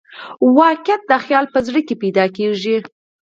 واقعیت د خیال په زړه کې زېږي.